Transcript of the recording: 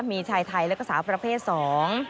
มีชายไทยแล้วก็สาวประเภทสอง